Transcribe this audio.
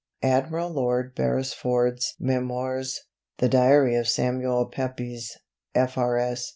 "Admiral Lord Beresford's 'Memoirs.' "The Diary of Samuel Pepys, F.R.S.